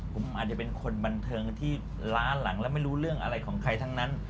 ผมอาจจะเป็นคนบันเทิงที่ล้าหลังและไม่รู้เรื่องอะไรของใครทั้งนั้น